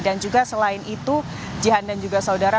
dan juga selain itu jihan dan juga saudara